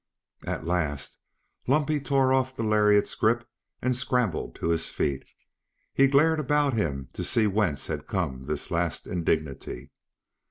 At last Lumpy tore off the lariat's grip and scrambled to his feet. He glared about him to see whence had come this last indignity.